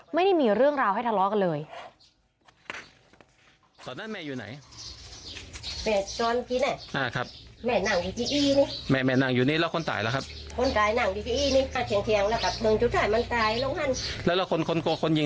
ไม่ได้มีเรื่องราวให้ทะเลาะกันเลย